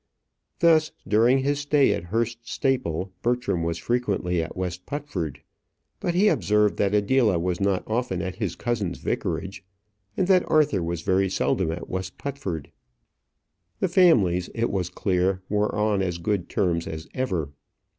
Thus during his stay at Hurst Staple, Bertram was frequently at West Putford. But he observed that Adela was not often at his cousin's vicarage, and that Arthur was very seldom at West Putford. The families, it was clear, were on as good terms as ever.